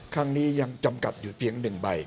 ครั้งนี้ยังจำกัดอยู่เพียง๑ใบ